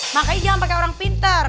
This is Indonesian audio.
makanya jangan pakai orang pintar